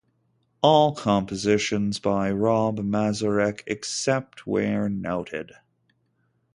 All compositions by Rob Mazurek except where noted